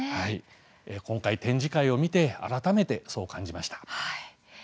今回、展示会を見て改めてそう感じました。